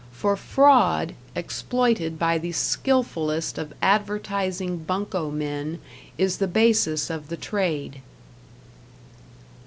For fraud, exploited by the skillfullest of advertising bunco men, is the basis of the trade.